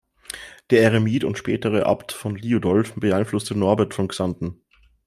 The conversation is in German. Der Eremit und spätere Abt Liudolf beeinflusste Norbert von Xanten.